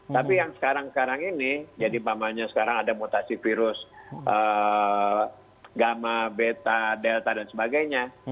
tapi yang sekarang sekarang ini jadi namanya sekarang ada mutasi virus gamma beta delta dan sebagainya